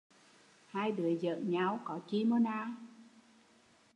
Hai đứa giỡn nhau, có chi mô nà!